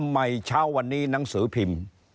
แต่ว่าทำไมเช้าวันนี้หนังสือพิมพ์